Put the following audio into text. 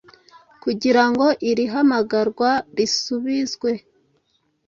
Kugira ngo iri hamagarwa risubizwe,